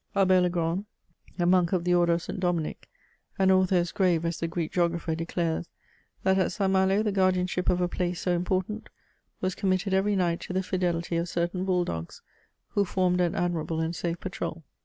Albert le Grand, a monk of the Order of St. Dominic, an author as grave as the Greek geographer, declares, "that at St. Malo the guardianship of a place so important was com mitted every night to the fidehty of certain bull dogs, who formed an admirable and safe patrol.